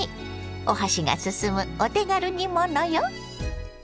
お箸が進むお手軽煮物よ。